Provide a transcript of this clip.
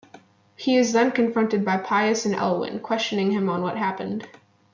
He is then confronted by Pios and Elwyn, questioning him on what happened.